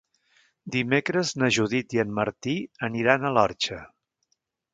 Dimecres na Judit i en Martí aniran a l'Orxa.